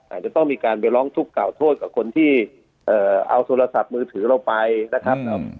อาจจะต้องมีการไปร้องทุกข่าโทษกับคนที่เอาโทรศัพท์มือถือเราไปนะครับ